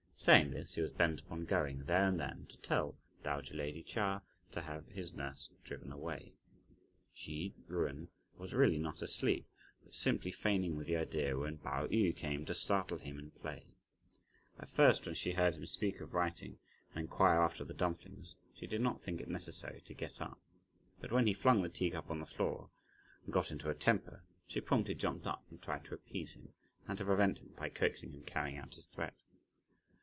Saying this, he was bent upon going, there and then, to tell dowager lady Chia to have his nurse driven away. Hsi Jen was really not asleep, but simply feigning, with the idea, when Pao yü came, to startle him in play. At first, when she heard him speak of writing, and inquire after the dumplings, she did not think it necessary to get up, but when he flung the tea cup on the floor, and got into a temper, she promptly jumped up and tried to appease him, and to prevent him by coaxing from carrying out his threat.